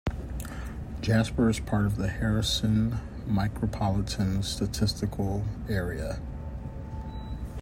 Jasper is part of the Harrison Micropolitan Statistical Area.